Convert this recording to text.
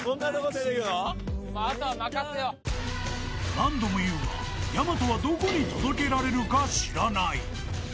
［何度も言うがやまとはどこに届けられるか知らない］